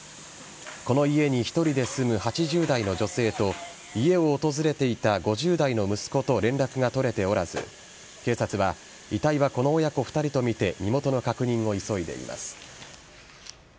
この家に１人で住む８０代の女性と家を訪れていた５０代の息子と連絡が取れておらず警察は遺体はこの親子２人とみて身元の確認を急いでいます。